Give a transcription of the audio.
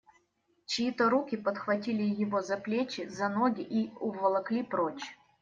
Чьи-то руки подхватили его за плечи, за ноги и уволокли прочь.